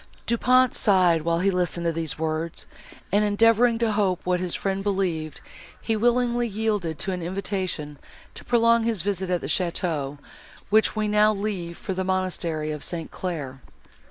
Du Pont sighed, while he listened to these words; and, endeavouring to hope what his friend believed, he willingly yielded to an invitation to prolong his visit at the château, which we now leave for the monastery of St. Claire.